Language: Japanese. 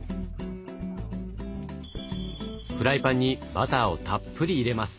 フライパンにバターをたっぷり入れます。